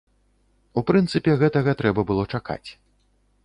У прынцыпе, гэтага трэба было чакаць.